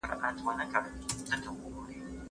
ابن المنذر رحمه الله کومه اجماع را نقل کړې ده؟